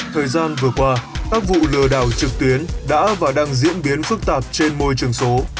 thời gian vừa qua các vụ lừa đảo trực tuyến đã và đang diễn biến phức tạp trên môi trường số